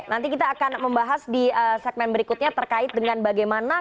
nanti kita akan membahas di segmen berikutnya terkait dengan bagaimana